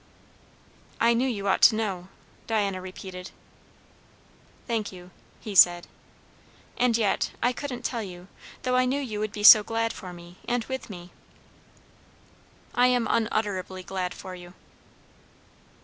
"I knew you ought to know" Diana repeated. "Thank you," he said. "And yet I couldn't tell you though I knew you would be so glad for me and with me." "I am unutterably glad for you."